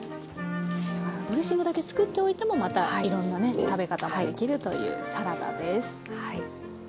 ドレッシングだけ作っておいてもまたいろんなね食べ方もできるというサラダです。